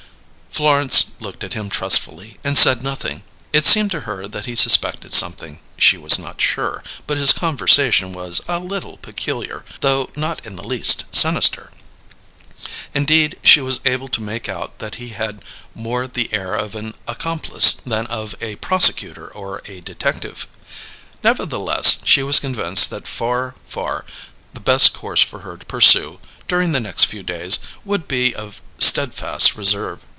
Florence looked at him trustfully and said nothing. It seemed to her that he suspected something; she was not sure; but his conversation was a little peculiar, though not in the least sinister. Indeed she was able to make out that he had more the air of an accomplice than of a prosecutor or a detective. Nevertheless, she was convinced that far, far the best course for her to pursue, during the next few days, would be one of steadfast reserve.